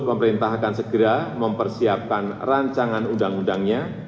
pemerintah akan segera mempersiapkan rancangan undang undangnya